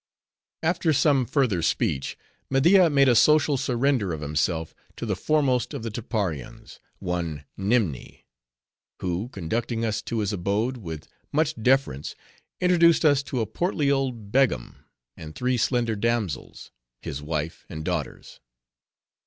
After some further speech, Media made a social surrender of himself to the foremost of the Tapparians, one Nimni; who, conducting us to his abode, with much deference introduced us to a portly old Begum, and three slender damsels; his wife and daughters.